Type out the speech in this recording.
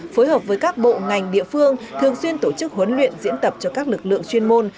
phối hợp với các bộ ngành địa phương thường xuyên tổ chức huấn luyện diễn tập cho các lực lượng chuyên môn